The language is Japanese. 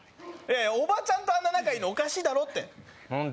おばちゃんとあんな仲いいのおかしいだろってなんで？